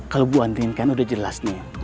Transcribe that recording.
kalo bu andin kan udah jelas nih